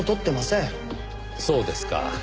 そうですか。